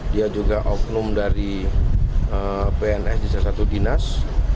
dia juga oknum dari pns di salah satu dinas